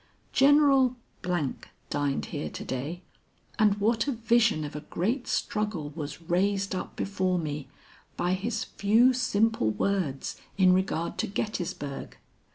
General dined here to day, and what a vision of a great struggle was raised up before me by his few simple words in regard to Gettysburg.